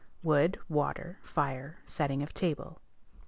Wood, water, fire, setting of table.